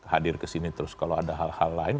hadir ke sini terus kalau ada hal hal lain